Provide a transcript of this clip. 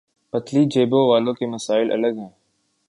پتلی جیبوں والوں کے مسائل الگ ہیں۔